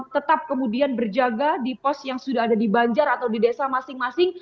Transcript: tetap kemudian berjaga di pos yang sudah ada di banjar atau di desa masing masing